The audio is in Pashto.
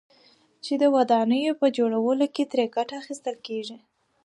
چې د ودانيو په جوړولو كې ترې گټه اخيستل كېږي،